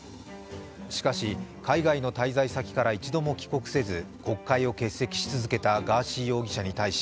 しかし、海外の滞在先から一度も帰国せず、国会を欠席し続けたガーシー容疑者に対し